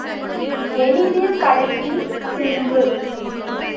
எளிதில் கடத்தி செம்பு.